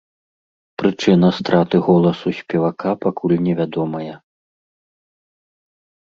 Прычына страты голасу спевака пакуль невядомая.